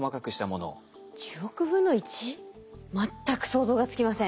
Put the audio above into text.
全く想像がつきません。